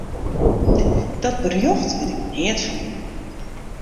Dat berjocht wit ik neat fan.